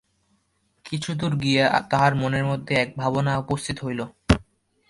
কিছুদূর গিয়া তাহার মনের মধ্যে এক ভাবনা উপস্থিত হইল।